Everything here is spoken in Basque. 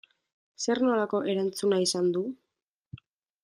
Zer nolako erantzuna izan du?